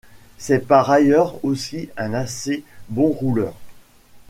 C'est par ailleurs aussi un assez bon rouleur.